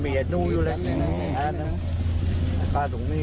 เจ้าหรือยังเจ้าหรือยัง